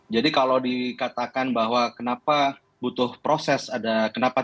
jadi kalau dikatakan bahwa kenapa butuh proses ada kenapa tidak